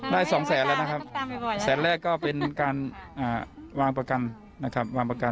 สองแสนแล้วนะครับแสนแรกก็เป็นการวางประกันนะครับวางประกัน